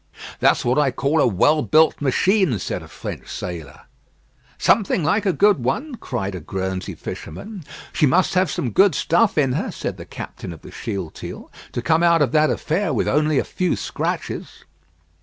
"That's what I call a well built machine," said a French sailor. "Something like a good one," cried a Guernsey fisherman. "She must have some good stuff in her," said the captain of the Shealtiel, "to come out of that affair with only a few scratches."